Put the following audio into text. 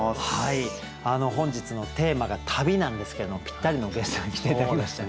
本日のテーマが「旅」なんですけどもぴったりのゲストに来て頂きました。